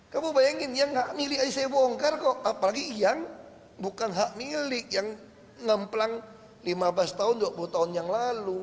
kamu bayangin yang gak milih ayah saya bongkar kok apalagi yang bukan hak milik yang ngeplang lima belas tahun dua puluh tahun yang lalu